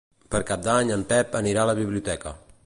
Per Cap d'Any en Pep anirà a la biblioteca.